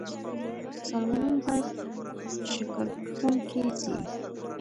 مسلمانان بايد شکرکښونکي سي.